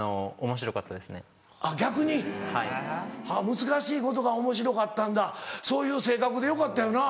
難しいことがおもしろかったんだそういう性格でよかったよな。